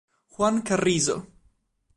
Juan Carrizo